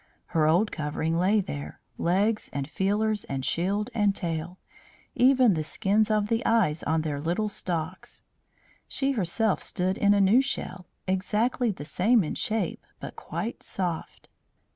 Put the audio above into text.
Her old covering lay there, legs and feelers and shield and tail; even the skins of the eyes on their little stalks. She herself stood in a new shell, exactly the same in shape, but quite soft.